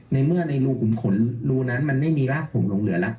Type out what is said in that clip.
ในเมื่อในรูขุมขนรูนั้นมันไม่มีรากผมหลงเหลือแล้ว